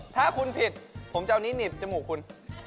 ถ้าคุณผิดผมจะเอานิดจมูกคุณ